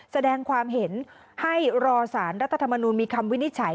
แสดงความเห็นให้รอสารรัฐธรรมนูลมีคำวินิจฉัย